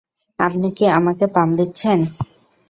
আপনি কি আমাকে পাম দিচ্ছেন?